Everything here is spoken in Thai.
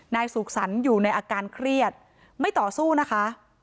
นายสุขสรรค์อยู่ในอาการเครียดไม่ต่อสู้นะคะ